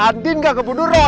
andin gak kebunuh roy